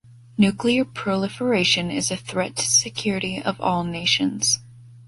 Nuclear proliferation is a threat to security of all nations.